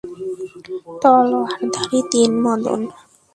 তলোয়ারধারী তিন মদন।